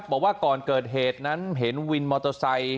บอกว่าก่อนเกิดเหตุนั้นเห็นวินมอเตอร์ไซค์